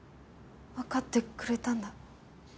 わかってくれたんだ。